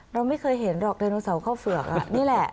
เราไม่เคยเห็นหรอกไดโนเสาร์ข้าวเฝือกนี่แหละ